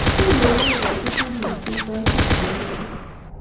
uni mukukaitit mising kaititie nito